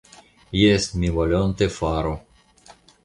Jes, mi volonte faru.